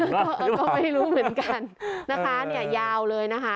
ก็ไม่รู้เหมือนกันนะคะเนี่ยยาวเลยนะคะ